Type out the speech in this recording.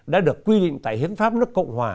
đã được quy định tại hiến pháp nước cộng hòa